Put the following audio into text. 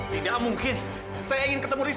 tidak mungkin saya ingin ketemu rizk